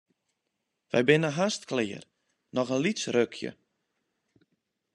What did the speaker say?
Wy binne hast klear, noch in lyts rukje.